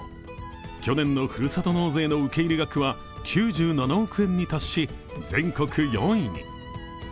去年のふるさと納税の受け入れ額は９７億円に達し、全国４位に。